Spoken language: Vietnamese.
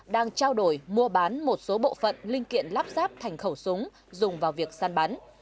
đang trao đổi mua bán một số bộ phận linh kiện lắp ráp thành khẩu súng dùng vào việc săn bắn